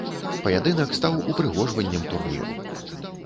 Паядынак стаў упрыгожваннем турніру.